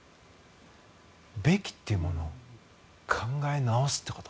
べきというものを考え直すということ。